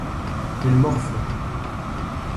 Ils morflent.